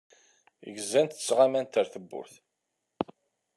Zgant ttɣamant ar tewwurt.